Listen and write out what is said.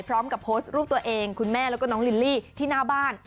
พร้อมกับโพสต์รูปตัวเองคุณแม่แล้วก็น้องลิลลี่ที่หน้าบ้าน